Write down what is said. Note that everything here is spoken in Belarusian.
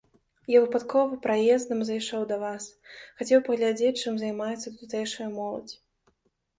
Я выпадкова, праездам зайшоў да вас, хацеў паглядзець, чым займаецца тутэйшая моладзь.